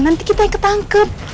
nanti kita yang ketangkep